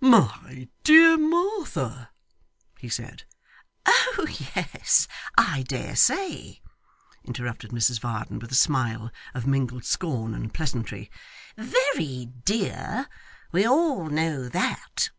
'My dear Martha ' he said. 'Oh yes, I dare say,' interrupted Mrs Varden, with a smile of mingled scorn and pleasantry. 'Very dear! We all know that.